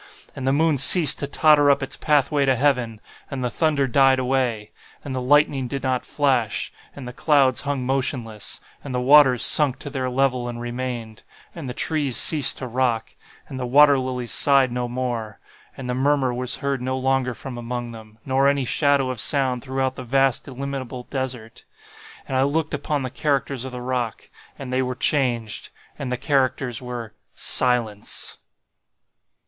And the moon ceased to totter up its pathway to heaven—and the thunder died away—and the lightning did not flash—and the clouds hung motionless—and the waters sunk to their level and remained—and the trees ceased to rock—and the water lilies sighed no more—and the murmur was heard no longer from among them, nor any shadow of sound throughout the vast illimitable desert. And I looked upon the characters of the rock, and they were changed; and the characters were SILENCE.